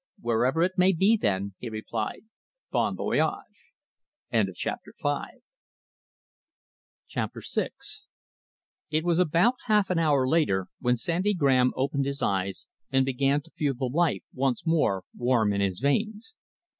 "Wherever it may be, then," he replied, "bon voyage!" CHAPTER VI It was about half an hour later when Sandy Graham opened his eyes and began to feel the life once more warm in his veins.